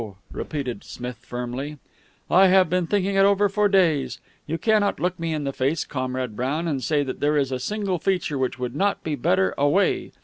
repeated Smith firmly. "I have been thinking it over for days. You cannot look me in the face, Comrade Brown, and say that there is a single feature which would not be better away.